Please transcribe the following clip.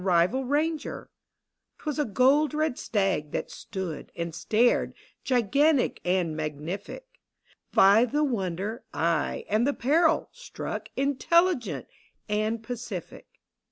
rival ranger ? 'Twas a gold red stag that stood and stared, Gigantic and magnific, By the wonder — ay, and the peril — struck Intelligent and pacific : DONALD.